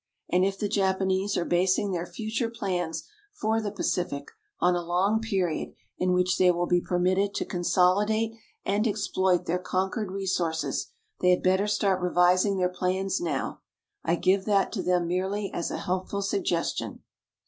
And if the Japanese are basing their future plans for the Pacific on a long period in which they will be permitted to consolidate and exploit their conquered resources, they had better start revising their plans now. I give that to them merely as a helpful suggestion.